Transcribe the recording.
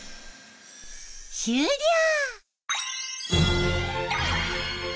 終了。